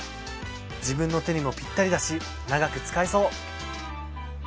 自分の手にもぴったりだし長く使えそう！